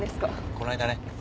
この間ね。